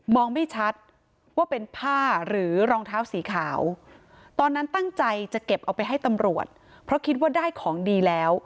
ไม่ชัดว่าเป็นผ้าหรือรองเท้าสีขาวตอนนั้นตั้งใจจะเก็บเอาไปให้ตำรวจเพราะคิดว่าได้ของดีแล้ว